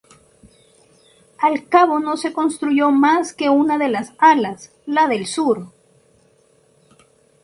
Al cabo no se construyó más que una de las alas, la del sur.